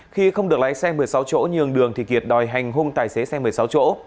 khi không được lái xe một mươi sáu chỗ nhường đường thì kiệt đòi hành hung tài xế xe một mươi sáu chỗ